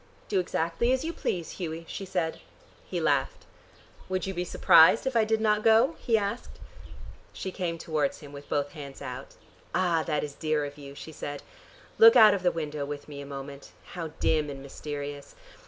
"Do exactly as you please, Hughie," she said. He laughed. "Would you be surprised if I did not go?" he asked. She came towards him with both hands out. "Ah, that is dear of you," she said. "Look out of the window with me a moment: how dim and mysterious.